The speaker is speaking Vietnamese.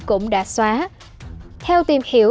cũng đã xóa theo tìm hiểu